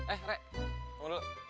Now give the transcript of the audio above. eh re tunggu dulu